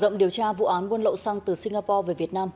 rộng điều tra vụ án buôn lậu xăng từ singapore về việt nam